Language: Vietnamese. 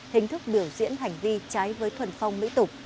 hình thức biểu diễn hành vi trái với thuần phong mỹ tục